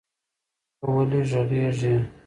ته ویلې غږیږي؟